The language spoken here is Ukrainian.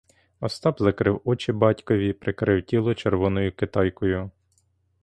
Остап закрив очі батькові, прикрив тіло червоною китайкою.